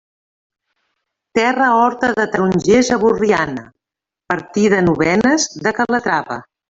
Terra horta de tarongers a Borriana, partida Novenes de Calatrava.